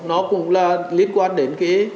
nó cũng là liên quan đến cái